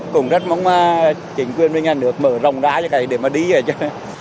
cũng rất muốn chuyển quyền bên nhà nước mở rộng rã cho cái để mà đi về cho